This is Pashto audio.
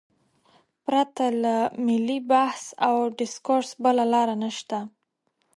پرته له ملي بحث او ډیسکورس بله لار نشته.